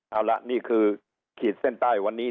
เอาละนี่คือขีดเส้นใต้วันนี้